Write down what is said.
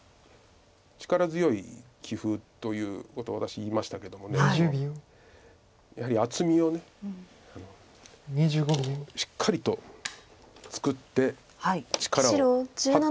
力強い棋風ということを私言いましたけどもやはり厚みをしっかりと作って力を発揮する。